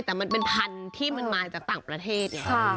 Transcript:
แต่มันเป็นพันธุ์ที่มันมาจากต่างประเทศไง